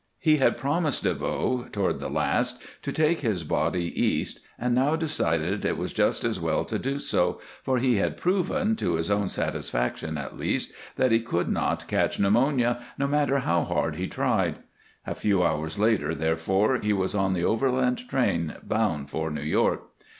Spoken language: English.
He had promised DeVoe, toward the last, to take his body East, and now decided it was just as well to do so, for he had proven, to his own satisfaction at least, that he could not catch pneumonia, no matter how hard he tried. A few hours later, therefore, he was on the overland train bound for New York.